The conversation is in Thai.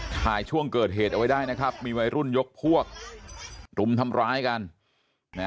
ช่วงเกิดเหตุเอาไว้ได้นะครับมีวัยรุ่นยกพวกรุมทำร้ายกันนะ